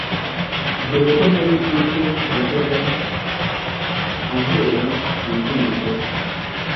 dore ko hari ubwo yajyaga ahera ku ndirimbo ze